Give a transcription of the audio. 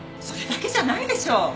それだけじゃないでしょ。